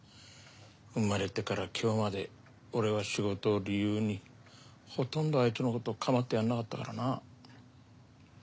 生まれてから今日まで俺は仕事を理由にほとんどあいつのこと構ってやらなかったからな。